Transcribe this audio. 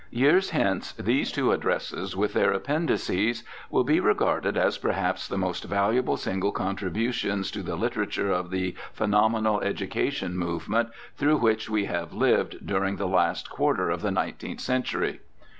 Years hence these two addresses, with their appendices, will be regarded as perhaps the most valuable single contribu tions to the literature of the phenomenal educational movement through which we have lived during the last quarter of the nineteenth century.